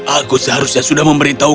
aku seharusnya sudah memberitahu